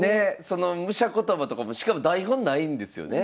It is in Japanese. その武者言葉とかもしかも台本無いんですよね？